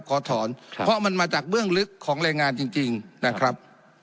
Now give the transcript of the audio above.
เหรอขอถอนเพราะมันมาจากเวื้องลึกของการจริงนะครับ